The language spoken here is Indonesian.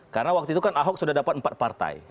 karena waktu itu kan ahok sudah dapat empat partai